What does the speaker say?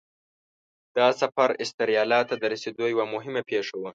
دا سفر استرالیا ته د رسېدو یوه مهمه پیښه وه.